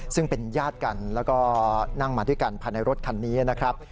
ซึ่งเป็นญาติกันแล้วก็นั่งมาด้วยกันภายในรถคันนี้นะครับ